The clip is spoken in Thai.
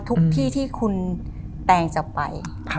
ทุกที่ที่คุณแตงจะไป